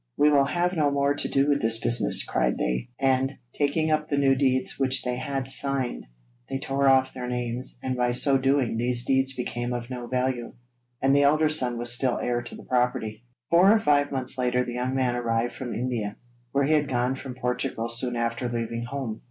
'We will have no more to do with this business,' cried they, and, taking up the new deeds which they had signed, they tore off their names, and by so doing these deeds became of no value, and the elder son was still heir to the property. Four or five months later the young man arrived from India, where he had gone from Portugal soon after leaving home.